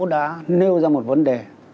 đã nêu ra một vấn đề